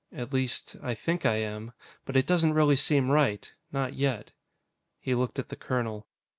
"At least, I think I am. But it doesn't really seem right. Not yet." He looked at the colonel.